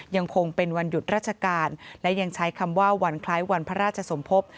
ยังคงเป็นวันหยุดราชการและยังใช้คำว่าวันคล้ายวันพระราชสมภพ